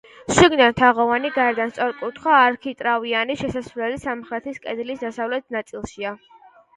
შიგნიდან თაღოვანი, გარედან სწორკუთხა, არქიტრავიანი შესასვლელი სამხრეთის კედლის დასავლეთ ნაწილშია.